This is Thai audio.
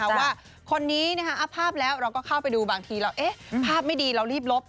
ว่าคนนี้อัพภาพแล้วเราก็เข้าไปดูบางทีเราภาพไม่ดีเรารีบลบ